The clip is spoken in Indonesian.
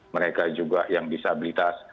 mereka juga yang disabilitas